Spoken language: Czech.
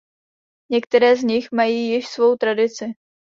Některé z nich mají již svou tradici.